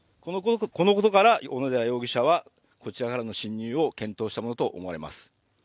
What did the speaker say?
このことから小野寺容疑者はこちらからの侵入を検討したものと思われます。